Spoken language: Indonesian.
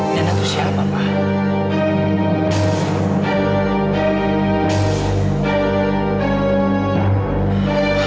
nenek tuh siapa pak